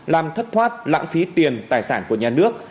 làm thất thoát lãng phí tiền tài sản của nhà nước